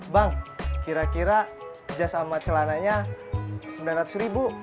bang kira kira jazz sama celananya rp sembilan ratus